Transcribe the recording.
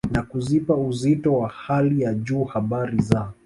na kuzipa uzito wa hali ya juu habari za